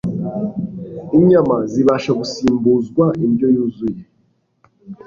Inyama zibasha gusimbuzwa indyo yuzuye